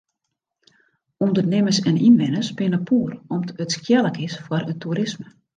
Undernimmers en ynwenners binne poer om't it skealik is foar it toerisme.